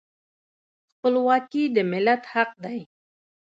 خپلواکي د ملت حق دی.